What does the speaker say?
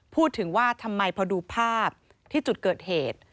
พูดถึงว่าทำไมพอดูภาพที่จุดเกิดเหตุ